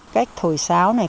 cách thổi sáo này